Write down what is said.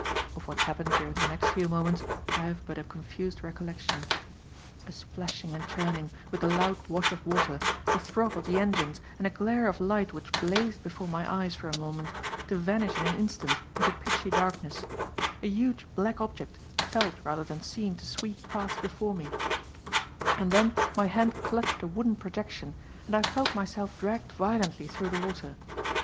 Of what happened during the next few moments, I have but a confused recollection. A splashing and churning, with the loud wash of water, the throb of the engines and a glare of light which blazed before my eyes for a moment, to vanish in an instant into pitchy darkness; a huge, black object, felt rather than seen to sweep past before me; and then my hand clutched a wooden projection, and I felt myself dragged violently through the water.